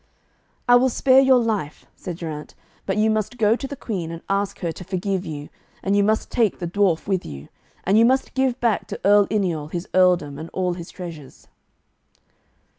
'I will spare your life,' said Geraint, 'but you must go to the Queen and ask her to forgive you, and you must take the dwarf with you. And you must give back to Earl Yniol his earldom and all his treasures.'